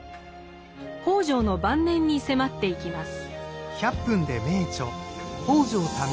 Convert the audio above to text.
北條の晩年に迫っていきます。